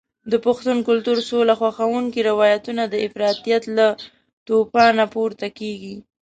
د پښتون کلتور سوله خوښونکي روایتونه د افراطیت له توپانه پورته کېږي.